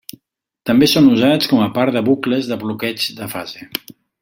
També són usats com a part de bucles de bloqueig de fase.